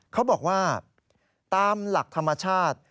เขาบอกว่าตามหลักธรรมชาติ